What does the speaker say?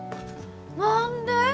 何で？